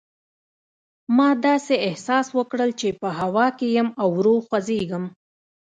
ما داسې احساس وکړل چې په هوا کې یم او ورو خوځېدم.